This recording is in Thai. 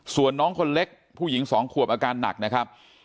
ส่วนน้องคนเล็กผู้หญิง๒ขวบอาการหนักนะครับ